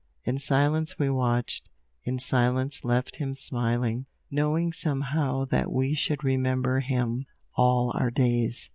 In silence we watched, in silence left him smiling, knowing somehow that we should remember him all our days.